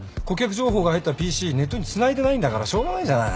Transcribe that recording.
情報が入ったＰＣネットにつないでないんだからしょうがないじゃない。